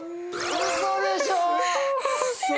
ウソでしょ